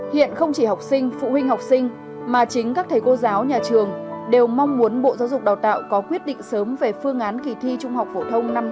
hiện không chỉ học sinh phụ huynh học sinh mà chính các thầy cô giáo nhà trường đều mong muốn bộ giáo dục đào tạo có quyết định sớm về phương án kỳ thi trung học phổ thông năm hai nghìn hai mươi